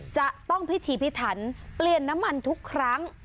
จะต้องพิธีพิถันเปลี่ยนน้ำมันทุกครั้ง